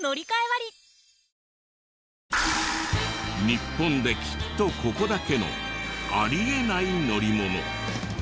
日本できっとここだけのあり得ない乗り物。